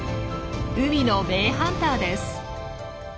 海の名ハンターです。